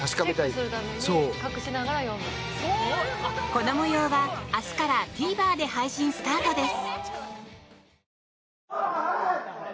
この模様は、明日からＴＶｅｒで配信スタートです。